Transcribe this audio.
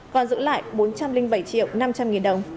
còn giữ lại bốn trăm linh bảy triệu năm trăm linh nghìn đồng